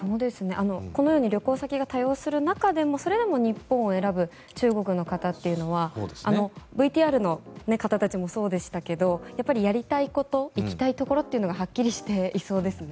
このように旅行先が多様化する中でそれでも日本を選ぶ中国の方というのはＶＴＲの方たちもそうでしたけどやっぱりやりたいこと行きたいところがはっきりしていそうですね。